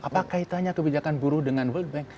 apakah itu hanya kebijakan buruh dengan world bank